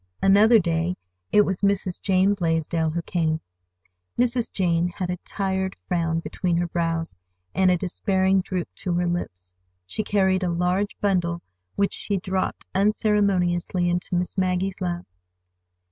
Another day it was Mrs. Jane Blaisdell who came. Mrs. Jane had a tired frown between her brows and a despairing droop to her lips. She carried a large bundle which she dropped unceremoniously into Miss Maggie's lap.